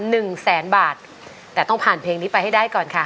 หนึ่งแสนบาทแต่ต้องผ่านเพลงนี้ไปให้ได้ก่อนค่ะ